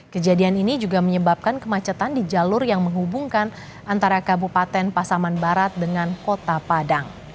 kejadian ini juga menyebabkan kemacetan di jalur yang menghubungkan antara kabupaten pasaman barat dengan kota padang